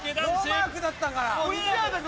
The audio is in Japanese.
ノーマークだったから。